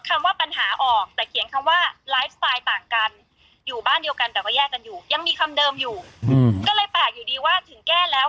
ก็เลยแปลกอยู่ดีถึงแก้แล้ว